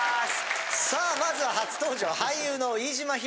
さあまずは初登場俳優の飯島寛